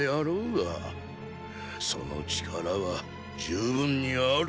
その力は十分にある。